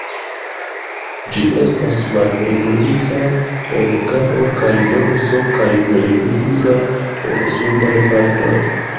Ĝi estas malhelgriza en kapo kaj dorso kaj helgriza en subaj partoj.